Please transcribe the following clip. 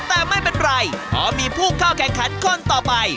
แต่ไม่เป็นไรเพราะมีผู้เข้าแข่งขันคนต่อไป